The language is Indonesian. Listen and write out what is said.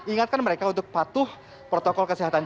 ingatkan mereka untuk patuh protokol kesehatan